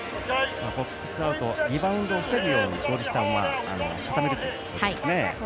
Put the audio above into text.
ボックスアウトリバウンドを防ぐようにゴール下を固めることですね。